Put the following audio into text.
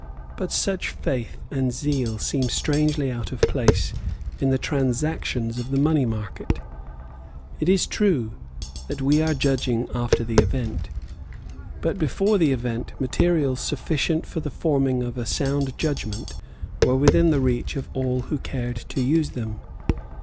But such faith and zeal seem strangely out of place in the transactions of the money market. It is true that we are judging after the event. But before the event materials sufficient for the forming of a sound judgment were within the reach of all who cared to use them.